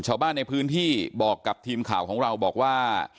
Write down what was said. ชาวบ้านในพื้นที่บอกกับทีมข่าวของเราบอกว่า